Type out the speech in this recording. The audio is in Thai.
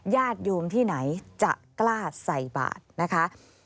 ญาติโยมที่ไหนจะกล้าใส่บาทนะคะ